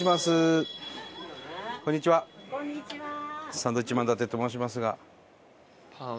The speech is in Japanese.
サンドウィッチマン伊達と申しますが。